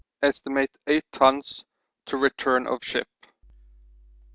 Estimate 8 tons to return of ship.